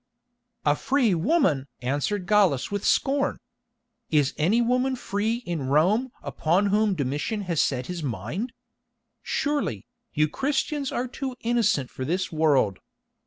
"A free woman!" answered Gallus with scorn. "Is any woman free in Rome upon whom Domitian has set his mind? Surely, you Christians are too innocent for this world.